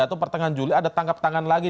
atau pertengahan juli ada tangkap tangan lagi